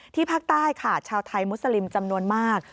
ภาคใต้ค่ะชาวไทยมุสลิมจำนวนมาก